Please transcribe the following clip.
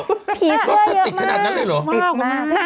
พี่เซื่อเยอะมากมากมากน้ำทวมหรือเปล่าจ้างวธนแนะมั้งมาก